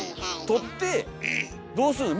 撮ってどうするの？